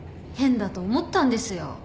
変だと思ったんですよ。